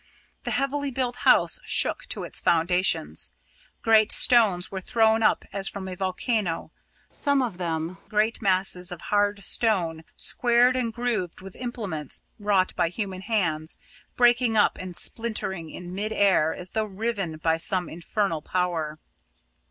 The heavily built house shook to its foundations. Great stones were thrown up as from a volcano, some of them, great masses of hard stone, squared and grooved with implements wrought by human hands, breaking up and splitting in mid air as though riven by some infernal power.